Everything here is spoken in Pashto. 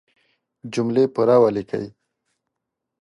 جملې پوره وليکئ!